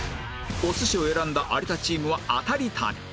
お寿司を選んだ有田チームはアタリ旅